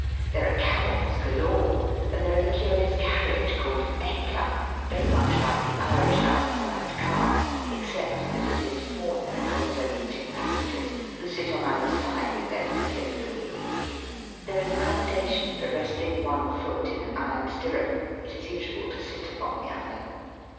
There are camels galore, and there is a curious carriage called ^* eka," very much like the Irish outside car, except that it is smaller and holds only two pas sengers, who sit on either side with their feet over the wheels. There is accommodation for resting one foot in an iron stirrup. It is usual to sit upon the other.